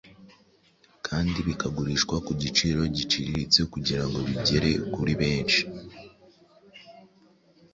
kandi bikagurishwa ku giciro giciriritse kugira ngo bigere kuri benshi.